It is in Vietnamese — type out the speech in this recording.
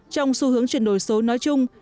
trong xu hướng chuyển đổi số nói chung